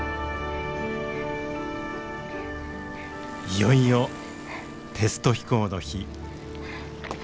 いよいよテスト飛行の日。